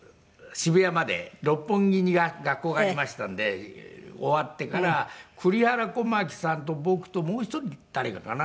六本木に学校がありましたんで終わってから栗原小巻さんと僕ともう一人誰かかな？